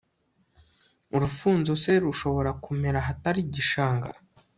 urufunzo se rushobora kumera ahatari igishanga